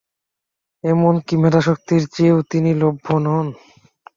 এমন কি মেধাশক্তির সহায়েও তিনি লভ্য নন।